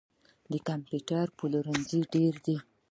د کمپیوټر پلورنځي ډیر دي